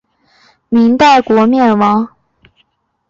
明代国灭亡。